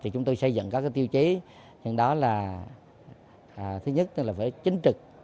chúng tôi xây dựng các tiêu chí đó là thứ nhất là phải chính trực